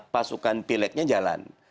pasukan pileknya jalan